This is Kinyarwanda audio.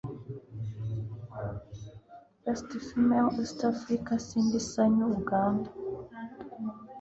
Best Female East Africa – Cindy Sanyu (Uganda)